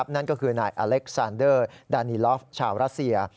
นั่นก็คือนายอเล็กซานเดอร์ดานีลอฟชาวรัสเซีย